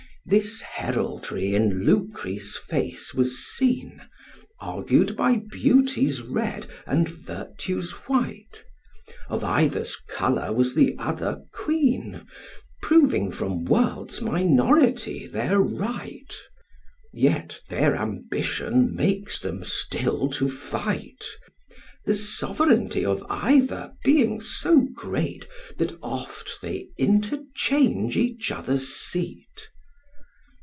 This heraldry in Lucrece' face was seen, Argued by beauty's red and virtue's white: Of either's colour was the other queen, Proving from world's minority their right: Yet their ambition makes them still to fight; The sovereignty of either being so great, That oft they interchange each other's seat.